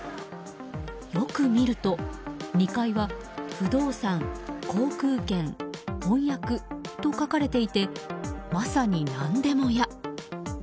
よく見ると２階は、不動産航空券、翻訳と書かれていてまさに何でも屋。